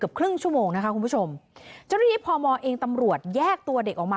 เกือบครึ่งชั่วโมงนะคะคุณผู้ชมจริงพมเองตำรวจแยกตัวเด็กออกมา